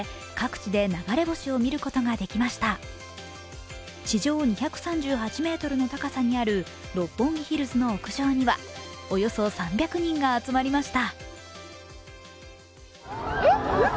地上２３８ｍの高さにある六本木ヒルズの屋上にはおよそ３００人が集まりました。